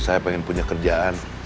saya pengen punya kerjaan